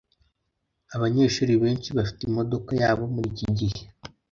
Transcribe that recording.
Abanyeshuri benshi bafite imodoka yabo muri iki gihe.